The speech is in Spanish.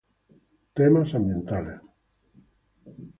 Temas ambientales